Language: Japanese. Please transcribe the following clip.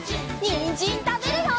にんじんたべるよ！